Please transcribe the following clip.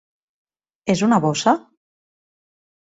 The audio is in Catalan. És una bossa?